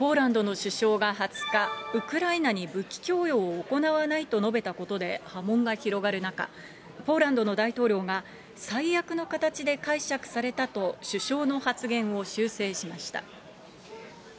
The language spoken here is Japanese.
ポーランドの首相が２０日、ウクライナに武器供与を行わないと述べたことで波紋が広がる中、ポーランドの大統領が、最悪の形で解釈されたと首相の発言を修正しました。